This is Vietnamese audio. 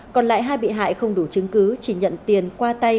còn lại hai bị hại không đủ chứng cứ chỉ nhận tiền qua tay